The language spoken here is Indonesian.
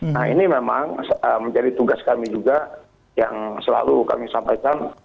nah ini memang menjadi tugas kami juga yang selalu kami sampaikan